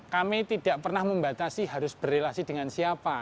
kami tidak pernah membatasi harus berrelasi dengan siapa